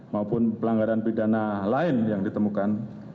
maupun pelanggaran pidana lain yang ditemukan